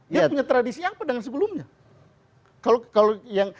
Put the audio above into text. dia punya tradisi apa dengan sebelumnya